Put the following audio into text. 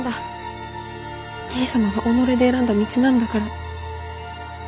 兄さまが己で選んだ道なんだから。